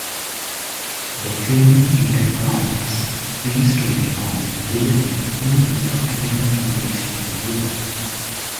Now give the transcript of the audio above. The film intertwines three storylines related to the African immigration to Europe.